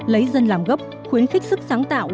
lấy dân làm gốc khuyến khích sức sáng tạo